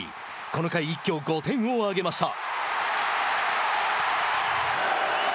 この回、一挙５得点を挙げました。